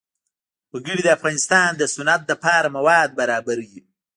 وګړي د افغانستان د صنعت لپاره مواد برابروي.